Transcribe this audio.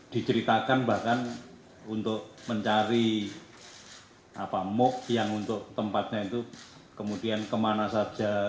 diceritakan bahkan untuk mencari mook yang untuk tempatnya itu kemudian kemana saja